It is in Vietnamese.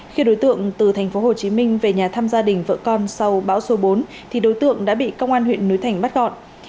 khi đối tượng từ thành phố hồ chí minh về nhà thăm gia đình vợ con sau bão số bốn thì đối tượng đã bị công an huyện núi thành bắt gọn